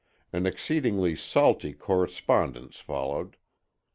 An exceedingly salty correspondence followed.